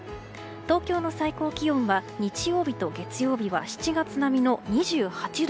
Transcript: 東京の最高気温は日曜日と月曜日は７月並みの２８度。